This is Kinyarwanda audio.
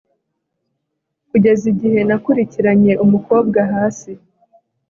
kugeza igihe nakurikiranye umukobwa hasi